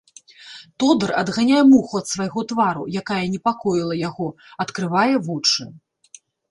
Тодар адганяе муху ад свайго твару, якая непакоіла яго, адкрывае вочы.